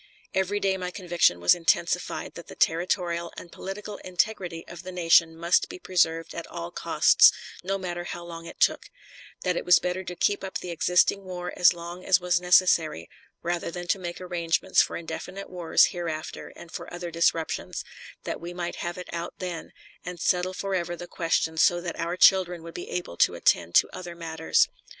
Every day my conviction was intensified that the territorial and political integrity of the nation must be preserved at all costs, no matter how long it took; that it was better to keep up the existing war as long as was necessary, rather than to make arrangement for indefinite wars hereafter and for other disruptions; that we must have it out then, and settle forever the question, so that our children would be able to attend to other matters.